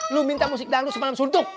lu minta musik dangdut semalam suntung